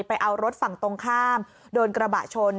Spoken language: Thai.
ไปเอารถฝั่งตรงข้ามโดนกระบะชน